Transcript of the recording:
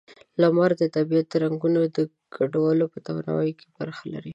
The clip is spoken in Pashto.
لمر د طبیعت د رنگونو د ګډولو په توانایۍ کې برخه لري.